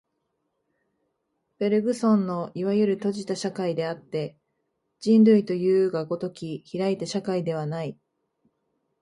ベルグソンのいわゆる閉じた社会であって、人類というが如き開いた社会ではない。